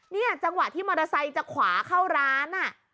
จังหวะที่มอเตอร์ไซค์จะขวาเข้าร้าน